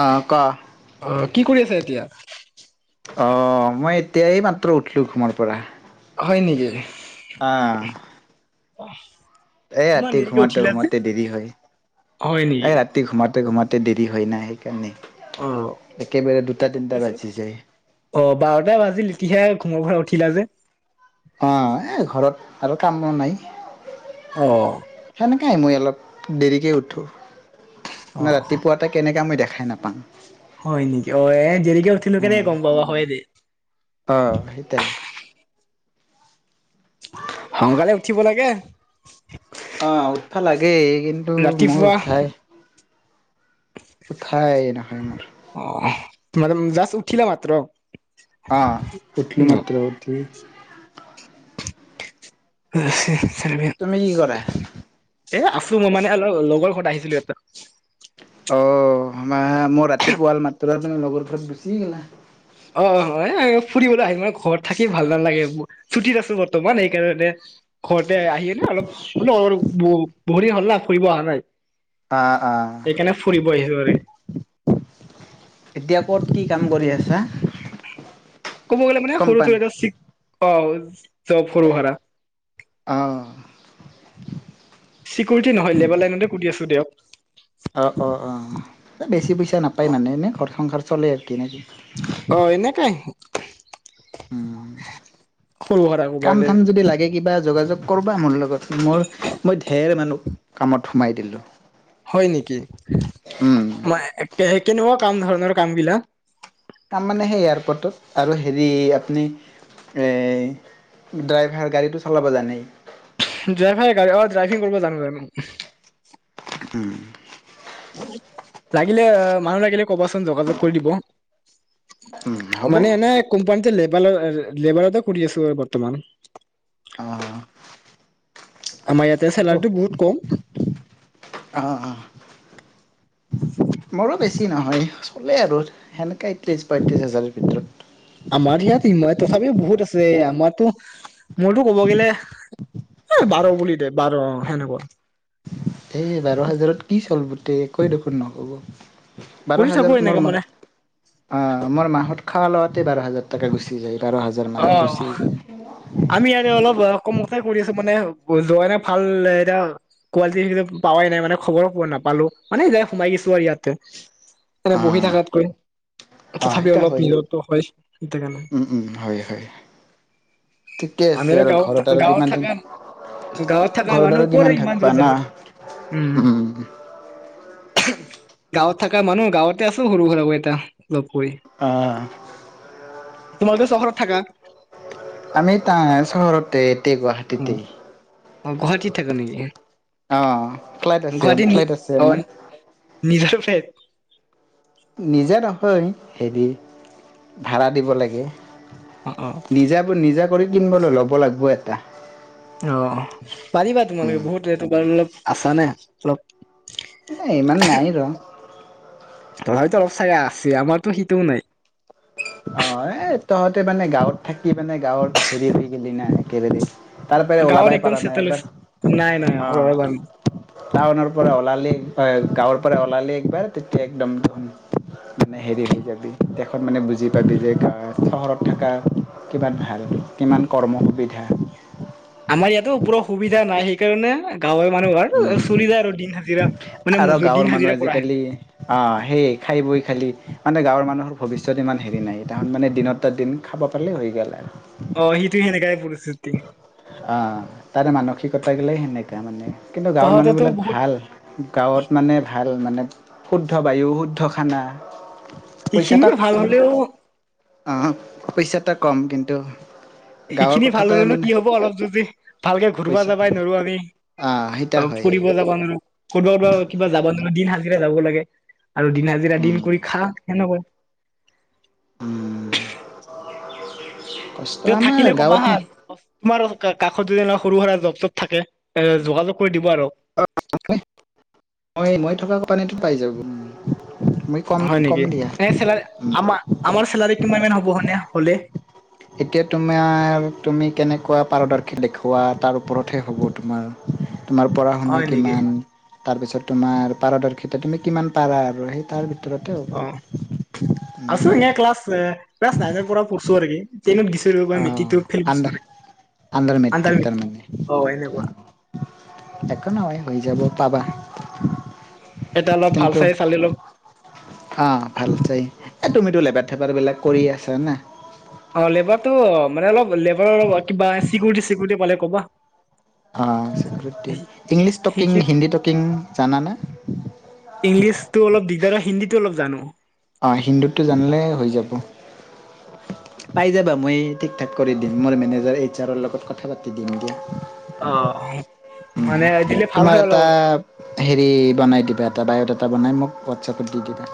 অ', ক। অ, কি কৰি আছে এতিয়া? অ', মই এতিয়াই এই মাত্ৰ উঠলো ঘুমাৰ পৰাহ। হয় নেকি। আহ। [inaudible] এ ইমান ৰাতি দেৰিকে ঘোমাতে উঠিলা যে ঘোমাতে দেৰি হয়। হয় নেকি এ, ৰাতি ঘোমাতে ঘোমাত তে দেৰি হয়না সেইকাৰণে। অ, একেবাৰে দুটা তিনিটা বাজি যায় অ', বাৰটা বাজিল ইটিহাই খঙৰ পৰা উঠিলা যে। অ' এই ঘৰত আৰু কাম বন নাই। অ সেনেকাই মই অলপ দেৰিকে উঠো। অ না ৰাতিপুৱাতে কেনেকা মই দেখাই নাপাং। হয় নেকি। অ', এ, দেৰিকে উঠিলো কেনে গম পাবা হয় দে। অ' সেইটাই সোনকালে উঠিব লাগে। অ', উৎফা লাগে কিন্তু মোৰ ৰাতিপুৱা উঠাই উঠাই নহয় মোৰ। অহ, মানে উম, যাছ উঠিলা মাত্ৰ। অ', উঠলোঁ ন মাত্ৰ উঠলোঁ। তুমি কি কৰা এ, আছো মই মানে আল তও, লগৰ ঘৰত আহিছিলো ইয়াতা অ', মোৰ ৰাতিপুৱাল মাত্ৰ তুমি লগৰ ঘৰত গুচি গলা। অ', হয়ে আয় ফুৰিবলে আহিম ঘৰত থাকি ভাল নালাগে ছুটিত আছো বৰ্তমান সেইকাৰণে। ঘৰতে আহি কেনে অলপ ব-বহুত দিন হ'লনা ফুৰিব আহা নাই। অ', অ'। এইকেনে ফুৰিব [unintelligible] এতিয়া ক'ত কি কাম কৰি আছা? ক'ব গ'লে মানে সৰুকে কোম্পানী। এটা চিক পাওজ। চব সৰু ভাৰা। অ', চিকৰেটি নহয় লেবাৰ লাইনতে কুদি আছো দিয়ক। অ', অ', অ', এ, বেছি পইচা নাপায় মানে এনে ঘৰ সংসাৰ চলে আতি নে কি? অ', এনেকাই। উম, সৰু সুৰা কাম মোবাইলে থাম যদি লাগে কিবা যোগাযোগ কৰবা মোৰ লগত মোৰ মই ঢেৰ মানুহ কামত সোমাই দিলো। হয় নেকি। কে-কেনেকুৱা কাম ধৰণৰ কামবিলাক? কাম মানে সেই এয়াৰপৰ্টত আৰু হেৰি আপনি এই ড্ৰাইভাৰ গাড়ীটো চলাব জানেই। ড্ৰাইভাৰে গাড়ী অ', ড্ৰাইভিং কৰিব জানো জানো। উম। লাগিলে মানুহ লাগিলে কবাচোন যোগাযোগ কৰি দিব। উম, হ'ব মানে এনে কোম্পানীতে লেবাল' লেবাৰতে কৰি আছো আৰু বৰ্তমান। অহ। আমাৰ ইয়াতে চেলাৰিটো বহুত কম। [inaudible] মৰো বেছি নহয় চলে আৰু সেনেকাই ত্ৰিশ পয়ত্ৰিশ হাজাৰৰ ভিতৰত। আমাৰ ইয়াত ইমই তথাপিও বহুত আছে। আমাৰতো মোৰতো ক'ব গেলে এ, বাৰ বুলি দে বাৰ অ', সেনেকুৱা। এ, বাৰ হাজাৰত কি চলব'তে একোৱে দেখোন নহ'ব। বাৰ কৰি থাকো হাজাৰত এনেকা মোৰ মা মানে অ', মোৰ মাহত খাৱা লোৱাতে বাৰ হাজাৰ টাকা গুচি যায়। বাৰ অ হাজাৰমান গুচি আমি আৰু অলপ আ, কমতে কৰি আছো মানে যোৱা নে ভাল লেটা কোৱালটি [unintelligible] পাৱাই নাই মানে খবৰো নাপালো। মানে যাই সোমাই গেছো আৰু ইয়াতে। এনে অ বহি থাকাতকৈ অ তথাপি সেইটা অলপ হয় নহত হয় ন উম উম হয় হয় ঠিকে আমি আছে আৰু গাঁৱত ঘৰত আৰু গাঁৱত কিমান দিন থাকা গাঁৱত থাককা ঘৰত আৰু মানহ কিমান কৰেই থাকবা না মানদ্ৰজৰ উম গাঁৱত থকা মানুহ গাঁৱতে আছো সৰু সুৰাব এটা আহ তোমালোকো চহৰত থাকা আমি তাৰ চহৰতে এতিই অ গুৱাহাটীতেই অ গুৱাহাটীত থাকে নেকি অ ফ্লাইট আছে গুৱাহাটীত নি ফ্লাইট আছে অ আমাৰ নিজৰ ফ্লেট নিজে নহয় হেৰি ভাড়া দিব লাগে অ অ নিজা নিজা কৰি কিন বোলো ল'ব লাগিব এটা অ পাৰিবা তোমালোকে বহুত অলপ আছানে অলপ এ ইমান নাই ৰ তথাপিতো অলপ চাইয়া আছে আমাৰতো সেইটোও নাই অ এ তহঁতে মানে গাঁৱত থাকি মানে গাঁৱত হেৰি হৈ গেলি না একেবাৰে তাৰপৰাই গাঁৱত ওলাবাই একদম পাৰা নাই চেটেল একবাৰ হৈছে নাই নাই অ ৰবা, টাউনৰৰ পৰা ওলালি হয় গাঁৱৰ পৰা ওলালি একবাৰ তেতিয়া একদম দেখোন মানে হেৰি হৈ যাবি তেখত মানে বুজি জে গ চহৰত থকা কিমান ভাল কিমান কৰ্ম সুবিধা আমাৰ ইয়াতো সুবিধা নাই সেইকাৰণে গাঁৱে মানুহ আৰু উম চলি যায় আৰু দিন হাজিৰা মানে আৰু মজুত গাঁৱৰ দিন মানুহ হাজিৰা কৰা হেন আজিকালি আহ সেই খাই বৈ খালি মানে গাঁৱৰ মানুহৰ ভৱিষ্যত ইমান হেৰি নাই তাহত মানে দিনত দিন খাব পালে হৈ গ'ল আৰু অ সিটো সেনেকাই পৰিস্থিতি অ তাৰে মানসিকতা গিললে সেনেকা মানে কিন্তু গাঁৱৰ তহঁতেতো মানুহবিলাক বহুত ভাল গাঁৱত মানে ভাল মানে শুদ্ধ বায়ু শুদ্ধ খানা সেইখিনি ভাল পইচাটাম হলেও আহ পইচাটা কম কিন্তু গাঁৱৰ সেইখিনি কথা ভাল এটাই হলেনো মানে কি হ'ব অলপ যদি ভালকে ঘূৰিব পইচা যাবাই নোৱাৰো আমি অ সেইটা হয় ফুৰিব যাবা নোৱাৰো ক'বা ক কিবা যাব ন দিন হাজিৰা যাব লাগে আৰু দিন হাজিৰা দিন কৰি খা সেনেকুৱা উম ত থাকিলে কবা হা তোমাৰ কাষ প্ৰতিদিনা সৰু সুৰা জপত থাকে এ যোগাযোগ কৰি দিব আৰু হয় মই থকা কোপ্পানীটোত পাই যাব মই কম হয় কম নেকি চ দিয়া আমাৰ আমাৰ চেলাৰী কিমানমান হ'বনে হলে এতিয়া তোমাৰ তুমি কেনেকুৱা পাৰদৰ্শী দেখুওৱা তাৰ ওপৰতহে হ'ব তোমাৰ তোমাৰ পঢ়া শুনা হয় নেকি কিমান তাৰপিছত তোমাৰ পাৰদৰ্শিতা তুমি কিমান পাৰা আৰু সেই তাৰ ভিতৰত অ আছো এ ক্লাছ ক্লাছ নাইনৰ পৰা পঢ়ছো আৰুকি নত গচব বা মেটি ফিব চৰে আডাৰ মেট্ৰিক তাৰ মানে এনেকুৱা এক ন হয় হৈ যাব পাবা এটা অলপ ভাল কিন্তু চাই চালি অলপ আহ ভাল চাই এই তুমিতো লেপাৰ থেপাৰবিলাক কৰি আছা না অ লেবাৰতটো মানে অলপ লেবাৰৰ অ কিবা চিকিউৰিটি চিকিউৰিটি পালে ক'বা অ ইংলিছ টকিং সেইখিনিত হিন্দী টকিং জানানে ইংলিছতো অলপ দিগদাৰ হয় হিন্দীটো অলপ জানো অ হিন্দিটো জানিলে হৈ যাব। পাই যাবা মই ঠিক ঠাক কৰি দিম মোৰ মেনেজাৰ এইচ আৰৰ লগত কথা পাতি দিম দিয়া। অ উ মানে দিলে ভাল তোমাৰ হয় এটা অলপ। হেৰি বনাই দিবা এটা বায়ডাটা। টা বনাই মোক হোৱাটছএপত দি দিবা।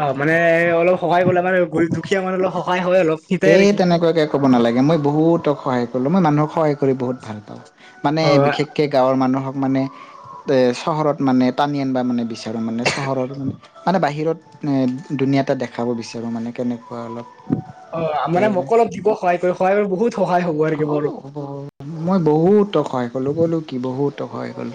অ মানে অলপ সহায় কৰিলে মানে গ দুখীয়া মানে অলপ সহায়। হয় অলপ সিটাই আৰু এই কি তেনেকুৱাকে ক'ব নালাগে মই বহুতক সহায় কৰিলো মই মানুহক সহায় কৰি বহুত ভাল পাওঁ। মানে অ বিশেষকে গাঁৱৰ মানুহক মানে, এ চহৰত মানে টানি আনবা মানে বিচাৰো মানে চহৰ মানে বাহিৰত এ, ধুনীয়াটা দেখাব বিচাৰোঁ মানে কেনেকুৱা অলপ। হ অ মানে মোক অলপ দিব সহায় কৰি সহায় কৰি বহুত সহায় হ'ব আৰু কি হ মোৰো। মই বহুত টখ হয়। ক'লো কলো কি বহু টকাই গ'ল।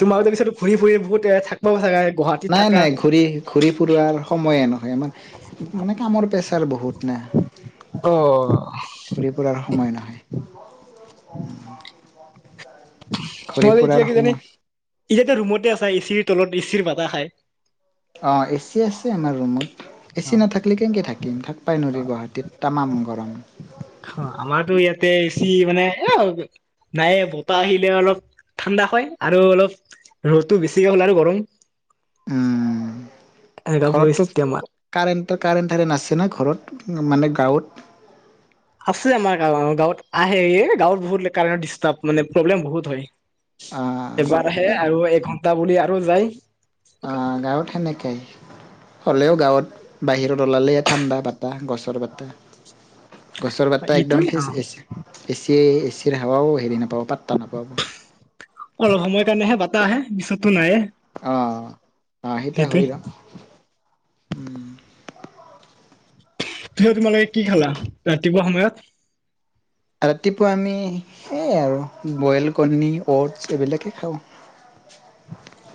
তোমাকততে পিছত ঘূৰি ফুৰি বহুত থাক পাব চাগে। গুৱাহাটীত নাই থাকা নাই ঘূৰি ঘূৰি ফুৰাৰ সময়ে নহয় আমাৰ মানে কামৰ পেচা। চাৰ বহুত ন। অ, সময় নহয়। ঘূৰি নহলে ফুৰাৰ এতিয়া কি জানি সময় এতিয়াে ৰুমতে আছে এচিৰ তলত এচিৰ ভাতা খাই। অ এচি আছে আমাৰ ৰুমত অ এচি নাথাকিলে কেনেকে থাকিম থাক পাই ন অ গুৱাহাটীত তামাম। পৰম। অ আমাৰতো ইয়াতে এচি মানে নাই বতাহ আহিলে অলপ ঠাণ্ডা হয় আৰু অলপ ৰ'দো বেছিকে হ'ল আৰু গৰম। উম এনেকুৱা পৰিস্থিতি ঘৰতটো আমাৰ কাৰেণ্ট কাৰেণ্ট থাৰেণ্ট আছে ন ঘৰত? মানে গাঁৱত। আছো যে আমাৰ গাঁৱত আহে গাঁৱত বহুত কাৰেণ্ট মানে প্ৰব্লেম বহুত হয়। এবাৰ আহে আহ আৰু এঘণ্টা বুলি আৰু যায়। অ গাঁৱত সেনেকাই হলেও গাঁৱত। বাহিৰত ওলালেহে ঠাণ্ডা বাতাহ গছৰ বটা। গছৰ বাটাহ একদম এইটোৱে অ ফিচছে। এ চি এচিৰ হাৱাও হেৰি নাপাব পাত্তা নাপাব। অলপ সময় কাৰণেহে বাতাহ আহে পিছতো নাইয়ে। অ অ সেইটা সেইটোৱে হয় ৰ উম। ত তোমালোকে কি খালা ৰাতিপুৱা সময়ত? ৰাতিপুৱা আমি সেয়াই আৰু বইল কণী অ'টছ এইবিলাকেই খাওঁ।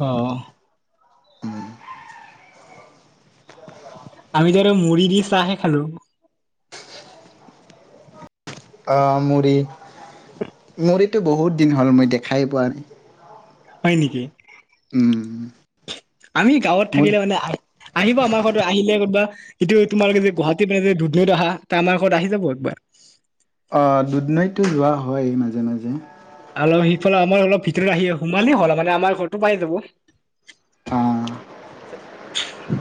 অহ। উম আমি ধৰ মু়ৰি দি চাহে খালো। মুড়ি মুড়িটো বহুত দিন হ'ল মই দেখাই পোৱাোৱাৰ। হয় নেকি। উম। আমি গাঁৱত মুড়ি থাকিলে মানে আহ আহিব আমাৰ ঘৰত আহিলে কবা এইটো তোমাৰ যে গুৱাহাটী দুধনৈত আহা ত আমাৰ ঘৰত আহি যাব একবাৰ। অ দুধনৈতটো যোৱা হয় মাজে মাজে। অলপ সিফালে আমাৰ অলপ ভিতৰত আহি সোমালেই হ'ল মানে আমাৰ ঘৰটো পাই যাব। অ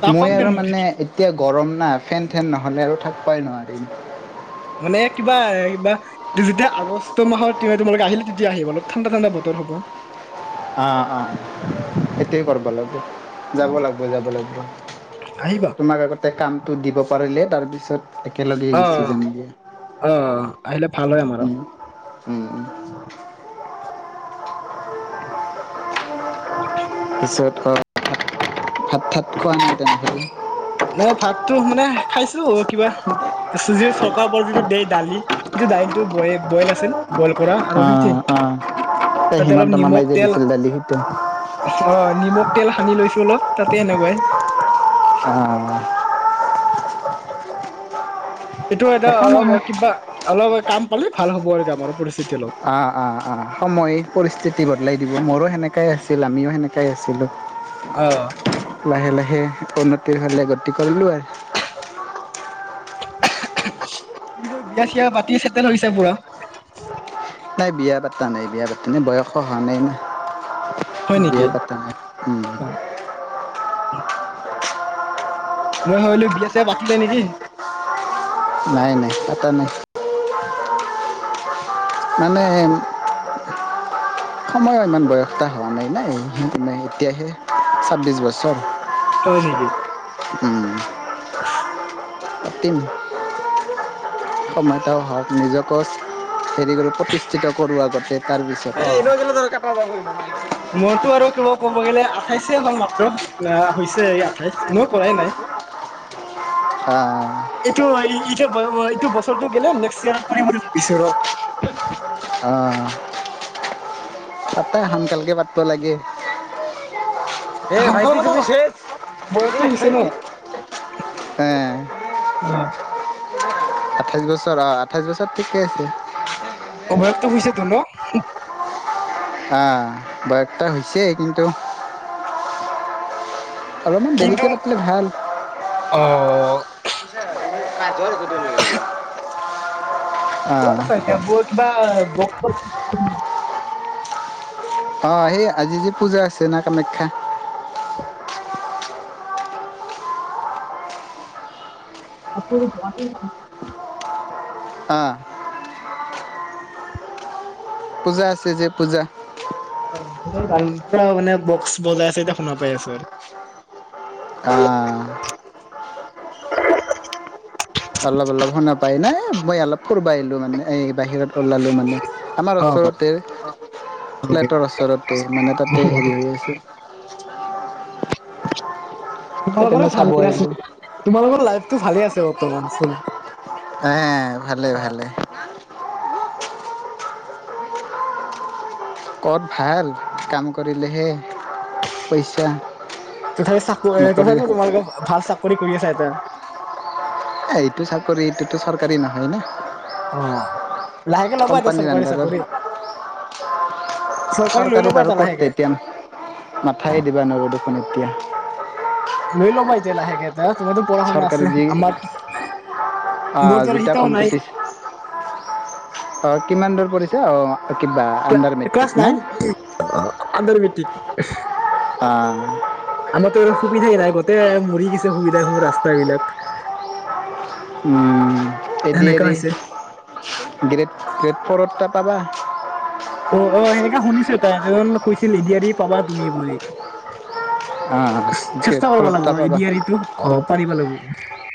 নাখাম মই দে আৰু মানে মুৰ্গী এতিয়া। গৰম না ফেন থেন নহ'লে আৰু থাকিবাই নোৱাৰিম। মানে কিবা কিবা যেতিয়া আগষ্ট মাহৰ তোমালোকে আহিলে তেতিয়া আহিব অলপ ঠাণ্ডা ঠাণ্ডা বতৰ হ'ব। [inaudible] অ অ এইটো কৰব লাগব যাব লাগিব যাব লাগিব আহিবা তোমাক আগতে কামটো দিব পাৰিলে তাৰপিছত। একেলগেই অ গুচি যামগৈ। অ আহিলে ভাল হয় আমাৰ উম পিছত হাতঠাত খোৱা নাই তেনেক নাই ভাতটো মানে খাইছো কিবা দাইল টো ব বইল আছিল বইল কৰা আৰু সেই অ', অ', এই তাতে অলপ হিমন্ত মামাই নিমখ যে তেল দিছিল দালি সেইটো আহ নিমখ তেল সানি লৈছো অলপ তাতে এনেকুৱাই অ'। এইটো এটা একো অলপ নহয়। কিবা অলপ কাম পালে ভাল হ'ব আৰু কাম আৰু পৰিস্থিতি অলপ অ অ অ সময় পৰিস্থিতি বদলাই দিব মোৰো সেনেকাই আছিল আমিও সেনেকাই আছিলো অ লাহে লাহে উন্নতিৰ ফালে গতি কৰিলোঁ আৰু তুমিতো বিয়া চিয়া পাতি ছেটেল হৈছে পুৰা নাই বিয়া পাতা নাই বিয়া পাতা নাই বয়স হোৱা নাই ন হয় নেকি বিয়া পতা নাই অ [inaudible] মই ভাবিলো বিয়া ছিয়া পাতিলে নেকি নাই নাই আটা নাই [unintelligible] মানে সময়ো ইমান বয়সটা হোৱা নাই নাই মানে এতিয়াহে, ছাব্বিছ বছৰ। হয় নেকি? ওম, থাতত্তিন সময়তা হওক নিজকো হেৰি কৰি প্ৰতিষ্ঠিত কৰোঁ আগতে তাৰ পিছত অ মোৰতো আৰু কিব ক'ব গ'লে আঠাইছেে হল মাত্ৰ হৈছে এই আঠাইশ মই কৰাই নাই আহ এইটো এইটো এইটো বস্ত নেক্স ইয়েৰট মই ভাবিছো ৰ আঁহ পাতাই সানকালকে পাতব লাগে। হে শংকৰ ভাইটি মানে তুমি তে,। বয়সটো এই হৈছে ন ভাইটি হেঁ। আঠাইছ বছৰ আঁ আঠাইছ বছৰত ঠিকে আছে। বয়সটো হৈছেতো ন! হা বয়সটা হৈছে কিন্তু অলপমান কিন্তু দেৰিকে পাতিলে ভাল। অ'। [unintelligible] কত আহ আছা এতিয়া ব কিবা ব আহ, সেই আজি যে পূজা আছে না কামাখ্যা। [unintelligible] আহ। পূজা আছে যে পূজা। পুৰা মানে বক্স বজাই আছে যে শুনা পাই আছো আৰু। আহ। অলপ অলপ শুনা পাই নাই, মই অলপ ফুৰবা আহিলো মানে এই বাহিৰত ওলালো মানে। আমাৰ অ ওচৰতে ফ্লেটৰ ওচৰতে মানে তাতে হেৰি হৈ আছে। [inaudible] তোমালোকৰে সেইকাৰণে চাব ভাল দিয়া, আহিলো তোমালোকৰ লাইফটো ভালে আছে বৰ্তমান। এহ, ভালে ভালে। ক'ত ভাল, কাম কৰিলেহে পইচা। তথাপি চাকৰি, নকৰি এ তথাপি তোমালোকে ভাল চাকৰি কৰি আছা এতিয়া। সেইটো চাকৰি এইটোতো চৰকাৰী নহয় ন। অ' লাহেকে ল'বা এটা চৰকাৰী আণ্ডাৰৰ চাকৰি। লৈ চৰকাৰী ল'বা আৰু এটা [unintelligible] লাহেকে। মাথায়ে দিবা নোৱাৰো দেখোন এতিয়া। লই ল'বা এতিয়া লাহেকে এটা। তোমাৰটো পঢ়া-শুনা চৰকাৰী আছে, যি আমাৰ আহ মোৰটো যেতিয়া সেইটোও নাই। অঁ কিমান দূৰ পঢ়িছে, অঁ কিবা আণ্ডাৰ ক্লাছ মেট্ৰিক না? নাইন আণ্ডাৰ মেটিক অ আমাৰো সুবিধাই নাই গোটেই মৰি গৈছে সুবিধা ৰাস্তাবিলাক এডি আৰ ই হৈছে। গ্ৰেট গ্ৰেড ফ'ৰত তাত পবাৰ অ অ সেনেকে শুনিছো তাই এজন কৈছিল এ ডি আৰ ই পাবা তুমি বুলি গ্ৰেড চেষ্টা কৰিব ফ'ৰত এটা লাগিব এ পাবা ডি আৰ ইটো ঘ পাৰিব লাগিব